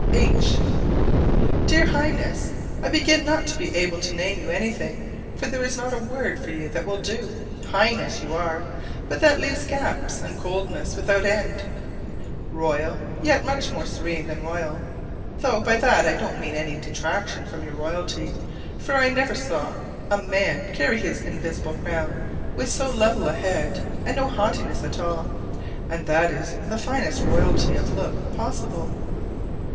H. Dear Highness: I begin not to be able to name you anything, for there is not a word for you that will do! "Highness" you are: but that leaves gaps and coldnesses without end. "Royal," yet much more serene than royal: though by that I don't mean any detraction from your royalty, for I never saw a man carry his invisible crown with so level a head and no haughtiness at all: and that is the finest royalty of look possible.